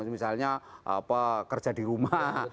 misalnya pekerja di rumah